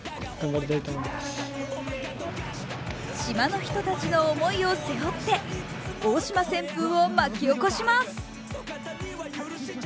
島の人たちの思いを背負って、大島旋風を巻き起こします。